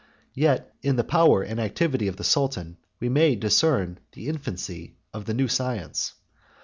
Yet in the power and activity of the sultan, we may discern the infancy of the new science.